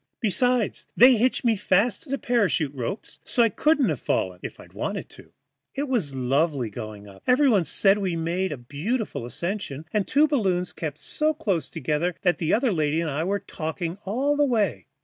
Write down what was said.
Besides they hitched me fast to the parachute ropes so I couldn't have fallen if I'd wanted to. It was lovely going up; everybody said we made a beautiful ascension, and the two balloons kept so close together that the other lady and I were talking all the way.